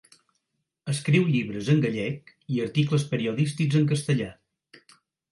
Escriu llibres en gallec i articles periodístics en castellà.